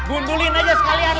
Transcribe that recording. gundulin aja sekalian lah